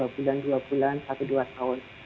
dua bulan dua bulan satu dua tahun